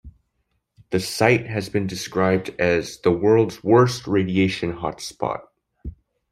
The site has been described as "The world's worst radiation hotspot".